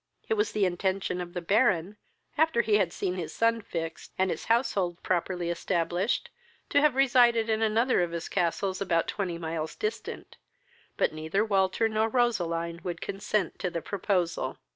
It was the intention of the Baron, after he had seen his son fixed, and his household properly established, to have resided in another of his castles, about twenty miles distant, but neither Walter nor Roseline would consent to the proposal.